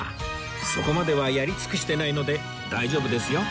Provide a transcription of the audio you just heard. そこまではやり尽くしてないので大丈夫ですよ